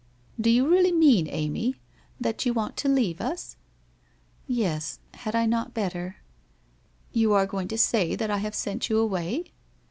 ' Do you really mean, Amy, that you want to leave us? ' 'Yes, had I not hotter?' 1 You are going to say that I have sent you away